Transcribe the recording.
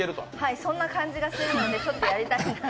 そんな感じがするのでちょっとやりたいなと。